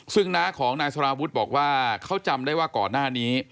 ซึ่งน้าของนายสารวุฒิบอกว่าเขาจำได้ว่าก่อนหน้านี้